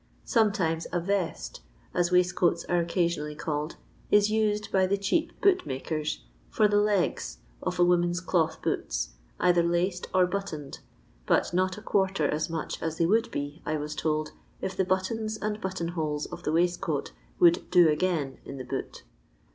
Sometimes a " vest," as waistcoats are occasionally called, is used by the cheap boo^raaken for the " legs" of a woman's cloth boots, either laced or buttoned, but not a quarter as much as they would be, I was told, if the buttons and button holes of the waistcoat would "do again" in the boot.